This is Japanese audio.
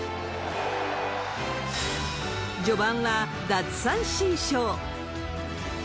序盤は奪三振ショー。